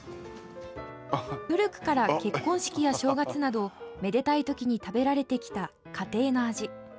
古くから結婚式や正月などめでたい時に食べられてきた家庭の味。